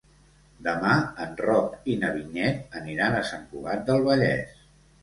Demà en Roc i na Vinyet aniran a Sant Cugat del Vallès.